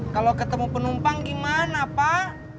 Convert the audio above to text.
kalau ketemu penumpang gimana pak